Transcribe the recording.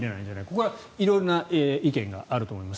ここは色々な意見があると思います。